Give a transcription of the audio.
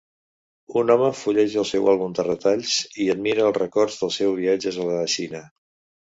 Un home fulleja el seu àlbum de retalls i admira els records dels seus viatges a la Xina.